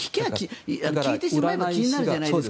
聞いてしまえば気になるじゃないですか。